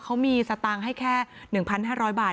เขามีสตางค์ให้แค่๑๕๐๐บาท